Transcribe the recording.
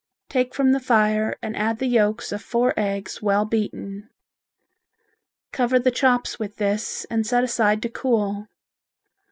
Take from the fire and add the yolks of four eggs well beaten. Cover the chops with this and set aside to cool.